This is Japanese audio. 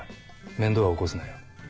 面倒は起こすなよ。